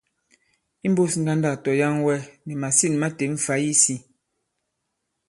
Imbūs ŋgandâk tɔ̀yaŋwɛ, nì màsîn ma têm fày isī.